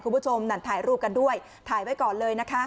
คุณผู้ชมนั่นถ่ายรูปกันด้วยถ่ายไว้ก่อนเลยนะคะ